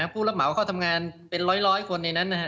ผู้รับหมายว่าเขาทำงานเป็นร้อยคนในนั้นนะฮะ